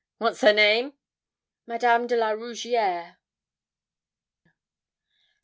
What's her name?' 'Madame de la Rougierre.'